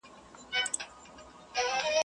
جنازه به د غمونو وي وتلې ..